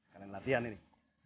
kalian latihan ini